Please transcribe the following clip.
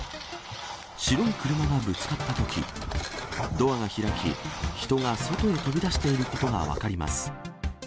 白い車がぶつかったとき、ドアが開き、人が外へ飛び出していることが分かります。